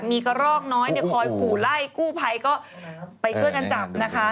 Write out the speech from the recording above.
มีกระรอกน้อยเนี่ยคอยขู่ไล่กู้ภัยก็ไปช่วยกันจับนะคะ